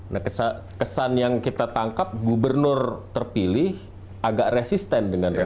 nah kesan yang kita tangkap gubernur terpilih agak resisten dengan reputasi